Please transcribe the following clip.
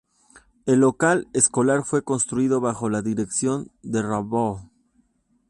El local escolar fue construido bajo la dirección del Rvdo.